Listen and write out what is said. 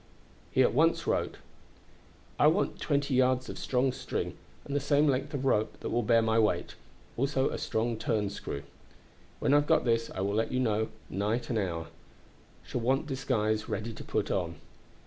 He at once wrote: "I want twenty yards of strong string, and the same length of rope that will bear my weight; also a strong turn screw. When I have got this I will let you know night and hour. Shall want disguise ready to put on."